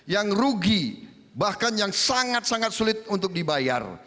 yang rugi bahkan yang sangat sangat sulit untuk dibayar